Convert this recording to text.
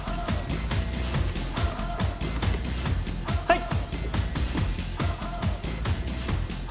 はい。